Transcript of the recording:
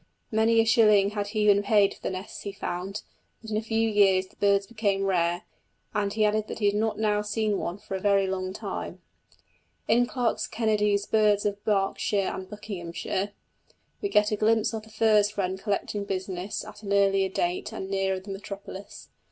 Many a shilling had he been paid for the nests he found, but in a few years the birds became rare; and he added that he had not now seen one for a very long time. In Clark's Kennedy's Birds of Berkshire and Buckinghamshire we get a glimpse of the furze wren collecting business at an earlier date and nearer the metropolis.